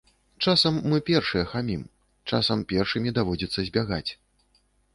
Часам мы першыя хамім, часам першымі даводзіцца збягаць.